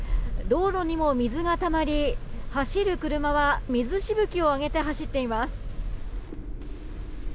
道路にも水がたまり走る車は水しぶきを上げて走っています。